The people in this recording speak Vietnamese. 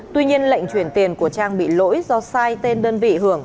tuy nhiên lệnh chuyển tiền của trang bị lỗi do sai tên đơn vị hưởng